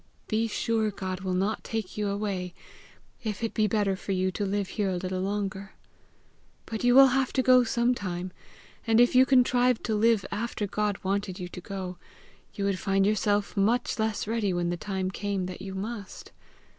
"Be sure God will not take you away, if it be better for you to live here a little longer. But you will have to go sometime; and if you contrived to live after God wanted you to go, you would find yourself much less ready when the time came that you must.